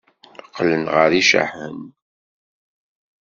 Qqlen ɣer yicahen.